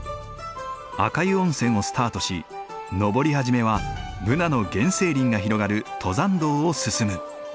赤湯温泉をスタートし登り始めはブナの原生林が広がる登山道を進む。